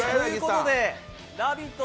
ラヴィット！